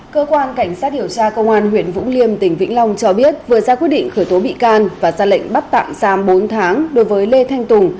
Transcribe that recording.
cơ quan cảnh sát điều tra công an huyện vũng liêm tỉnh vĩnh long cho biết vừa ra quyết định khởi tố bị can và ra lệnh bắt tạm giam bốn tháng đối với lê thanh tùng